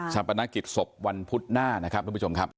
ปนกิจศพวันพุธหน้านะครับทุกผู้ชมครับ